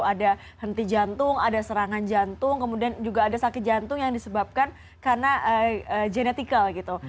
ada henti jantung ada serangan jantung kemudian juga ada sakit jantung yang disebabkan karena genetical gitu